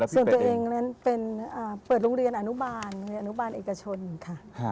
ส่วนตัวเองนั้นเป็นเปิดโรงเรียนอนุบาลโรงเรียนอนุบาลเอกชนค่ะ